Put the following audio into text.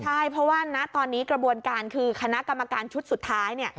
ใช่เพราะว่าณตอนนี้กระบวนการคือคณะกรรมการชุดสุดท้ายเนี่ย